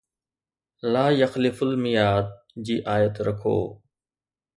”لا يخلف المياد“ جي آيت رکو.